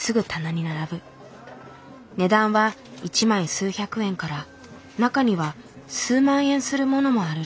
値段は１枚数百円から中には数万円するものもあるらしい。